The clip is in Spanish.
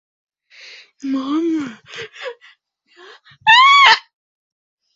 Ella tiene dos hermanas, Adrienne y Leah.